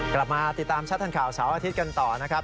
กลับมาติดตามชัดทางข่าวเสาร์อาทิตย์กันต่อนะครับ